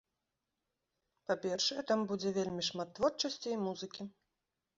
Па-першае, там будзе вельмі шмат творчасці і музыкі.